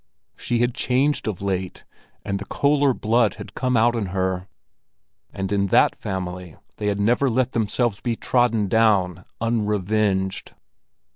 She had changed of late, and the Köller blood had come out in her; and in that family they had never let themselves be trodden down unrevenged!